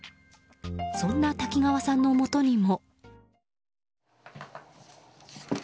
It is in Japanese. そんな滝川さんのもとにも。